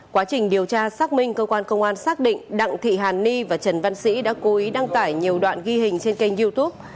quá trình điều tra xác minh cơ quan công an xác định đặng thị hàn ni và trần văn sĩ đã cố ý đăng tải nhiều đoạn ghi hình trên kênh youtube